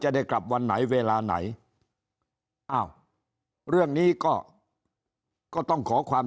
ได้กลับวันไหนเวลาไหนอ้าวเรื่องนี้ก็ก็ต้องขอความ